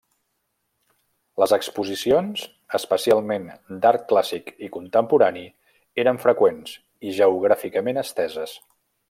Les exposicions, especialment d’art clàssic i contemporani, eren freqüents i geogràficament esteses.